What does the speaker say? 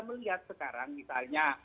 melihat sekarang misalnya